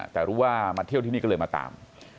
แต่รู้ว่ามาเที่ยวที่นี่ก็เลยมาตาม